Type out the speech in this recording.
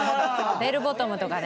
ベルボトムとかね。